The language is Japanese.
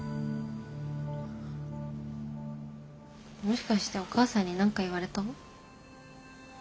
もしかしてお母さんに何か言われた？